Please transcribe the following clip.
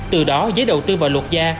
từ đó giới đầu tư và luật gia